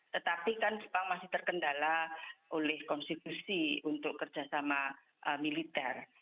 tetapi kan jepang masih terkendala oleh konstitusi untuk kerjasama militer